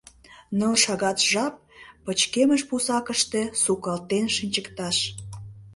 Ныл шагат жап пычкемыш пусакыште сукалтен шинчыкташ.